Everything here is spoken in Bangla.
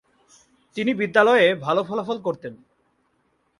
তিনি বিদ্যালয়ে ভালো ফলাফল করতেন।